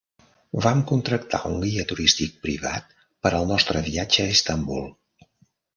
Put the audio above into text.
Vam contractar un guia turístic privat per al nostre viatge a Istanbul.